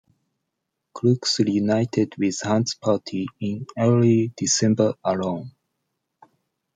Crooks reunited with Hunt's party in early December alone.